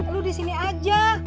lu di sini aja